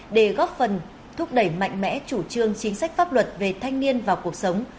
để góp phần thúc đẩy mạnh mẽ chủ trương chính sách pháp luật về thanh niên vào cuộc sống